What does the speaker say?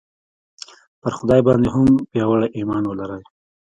پر خدای باندې هم پیاوړی ایمان ولرئ